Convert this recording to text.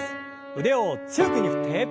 腕を強く上に振って。